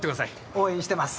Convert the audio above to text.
応援してます。